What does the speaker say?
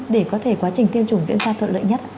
để có thể quá trình tiêm chủng diễn ra thuận lợi nhất